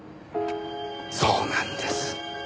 そうなんです。